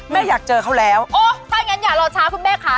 อยากเจอเขาแล้วโอ้ถ้าอย่างงั้นอย่ารอช้าคุณแม่ค่ะ